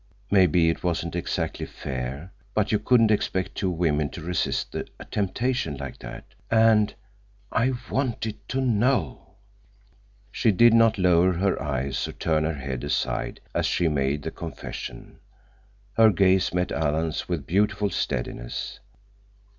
Maybe it wasn't exactly fair, but you couldn't expect two women to resist a temptation like that. And—I wanted to know." She did not lower her eyes or turn her head aside as she made the confession. Her gaze met Alan's with beautiful steadiness.